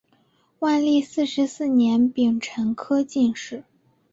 万历四十四年丙辰科进士。